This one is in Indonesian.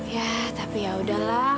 ya tapi yaudahlah